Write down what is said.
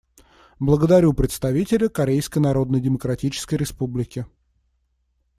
Благодарю представителя Корейской Народно-Демократической Республики.